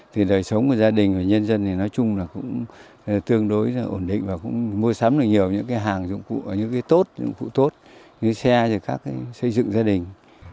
thì đời sống của gia đình và nhân dân thì nói chung là cũng tương đối là ổn định và cũng mua sắm được nhiều những cái hàng dụng cụ những cái tốt dụng cụ tốt như xe rồi các cái xây dựng gia đình